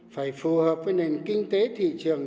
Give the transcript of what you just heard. phải phù hợp với nền kinh tế thị trường